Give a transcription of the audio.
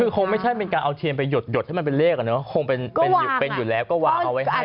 คือคงไม่ใช่เป็นการเอาเทียนไปหยดให้มันเป็นเลขคงเป็นอยู่แล้วก็วางเอาไว้ให้